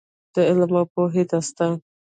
د علم او پوهې داستان.